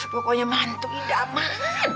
pokoknya mantu indah emak